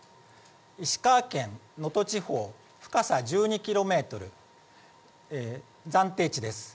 石川県能登地方、深さ１２キロメートル、暫定値です。